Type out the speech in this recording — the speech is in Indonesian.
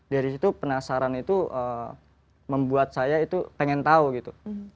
dari situ penasaran itu membuat saya itu pengen tahu gitu